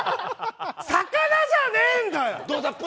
魚じゃねえんだ。